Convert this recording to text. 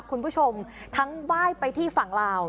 คุณผู้ชมทั้งไหว้ไปที่ฝั่งลาว